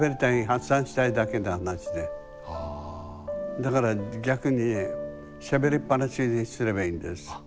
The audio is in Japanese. だから逆にねしゃべりっぱなしにすればいいんです。